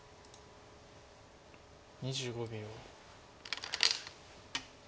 ２５秒。